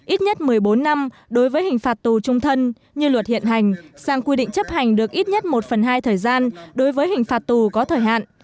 ít nhất một mươi bốn năm đối với hình phạt tù trung thân như luật hiện hành sang quy định chấp hành được ít nhất một phần hai thời gian đối với hình phạt tù có thời hạn